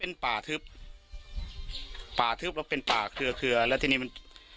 เป็นป่าทึบป่าทึบแล้วเป็นป่าเครือเครือแล้วทีนี้มัน